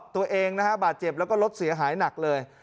ตัวเองนะฮะบาดเจ็บแล้วก็รถเสียหายหนักเลย